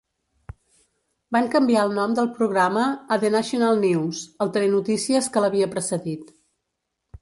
Van canviar el nom del programa a "The national news", el telenotícies que l'havia precedit.